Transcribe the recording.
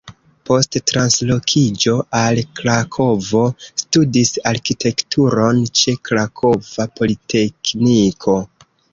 Post translokiĝo al Krakovo studis arkitekturon ĉe Krakova Politekniko.